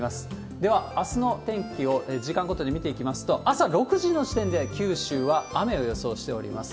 ではあすの天気を時間ごとに見ていきますと、朝６時の時点で九州は雨を予想しております。